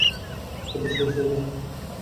এটাই সেই জায়গা।